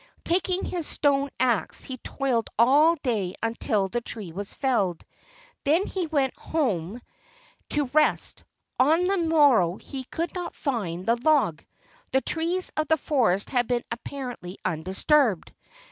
Taking his stone axe he toiled all day until the tree was felled. Then he went home THE GNARLED KOA «•* LEGENDARY CANOE MAKING 35 to rest. On the morrow he could not find the log. The trees of the forest had been apparently undisturbed.